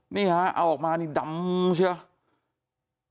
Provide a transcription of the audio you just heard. นี่ฮะเอาออกมานี่ดำใช่ไหม